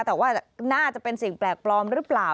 แต่ว่าน่าจะเป็นสิ่งแปลกปลอมหรือเปล่า